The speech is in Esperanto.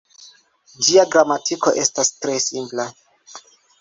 Ĝia gramatiko estas tre simpla.